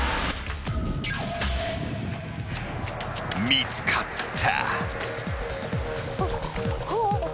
［見つかった］